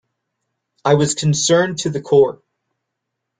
I was concerned to the core.